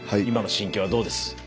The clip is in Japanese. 今の心境はどうです？